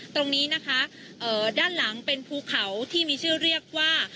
ตรงนี้นะคะด้านหลังเป็นภูเขาที่มีชื่อเรียกว่า